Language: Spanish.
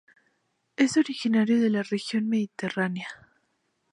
Es originario de la región mediterránea.